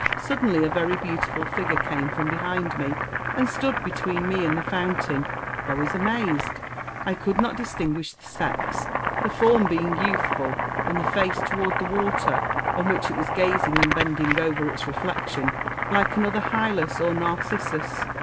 Suddenly a very beautiful figure came from behind me, and stood between me and the fountain. I was amazed. I could not distinguish the sex, the form being youthful and the face toward the water, on which it was gazing and bending over its reflection, like another Hylas or Narcissus.